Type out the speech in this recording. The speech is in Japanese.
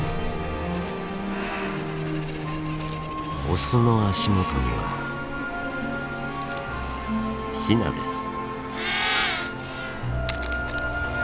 オスの足元にはヒナです。